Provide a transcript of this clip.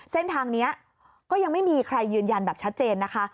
เส้นทางนี้ก็ยังไม่มีใครยืนยันแบบชัดเจนนะคะ